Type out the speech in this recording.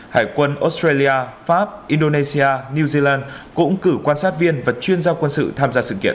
hải quân australia pháp indonesia new zealand cũng cử quan sát viên và chuyên gia quân sự tham gia sự kiện